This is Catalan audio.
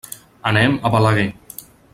Anem a Balaguer.